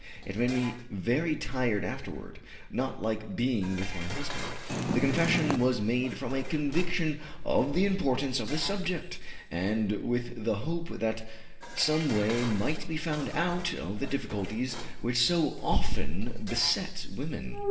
It made me very tired afterward not like being with my husband." The confession was made from a conviction of the importance of the subject, and with the hope that some way might be found out of the difficulties which so often beset women.